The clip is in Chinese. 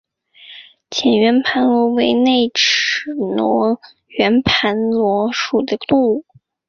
浅圆盘螺为内齿螺科圆盘螺属的动物。